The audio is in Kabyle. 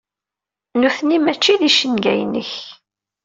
Nutni mačči d icenga-inek.